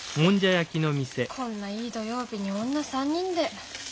こんないい土曜日に女３人で。